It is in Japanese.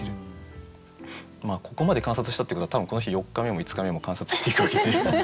ここまで観察したってことは多分この人四日目も五日目も観察していくわけで。